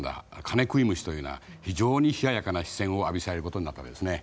「金食い虫」というような非常に冷ややかな視線を浴びせられることになったわけですね。